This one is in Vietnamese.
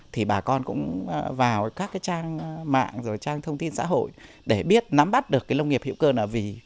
thì bà con cũng vào các trang mạng trang thông tin xã hội để biết nắm bắt được cái nông nghiệp hiệu cơ nào